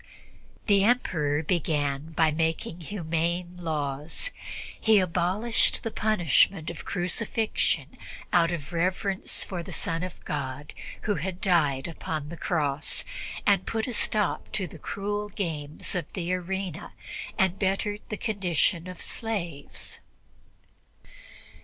The Emperor began by making humane laws. He abolished the punishment of crucifixion out of reverence for the Son of God, who had died upon the Cross, put a stop to the cruel games of the arena and bettered the condition of the slaves.